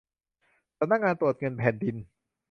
สำนักงานตรวจเงินแผ่นดิน